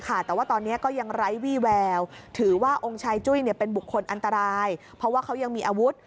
แต่ว่าตอนนี้ก็ยังไร้วี่แววถือว่าองค์ชายจุ้ยเป็นบุคคลอันตรายเพราะว่าเขายังมีอาวุธ